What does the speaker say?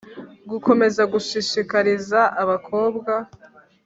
gukomeza gushishikariza abakobwa